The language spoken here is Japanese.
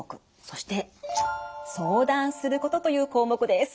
そして「相談すること」という項目です。